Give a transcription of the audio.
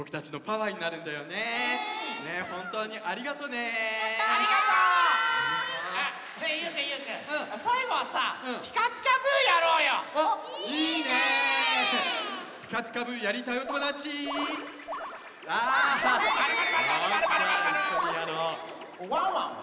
ワンワンは？